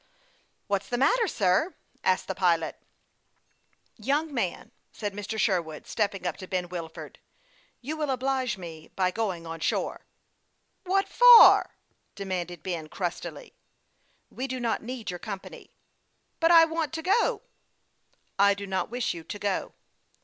"What's the matter, sir?" asked the pilot. " Young man," said Mr. Sherwood, stepping up 20* 234 HASTE AXD WASTE, OR to Ben "Wilford, " you will oblige me by going on shore." " "What for ?" demanded Ben, crustily. " We do not need your company." "But I want to go." " I do not wish you to go."